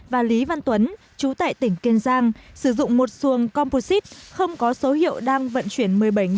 và lý văn tuấn chú tại tỉnh kiên giang sử dụng một xuồng composite không có số hiệu đang vận chuyển